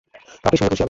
পাপি শুনলে খুশি হবে।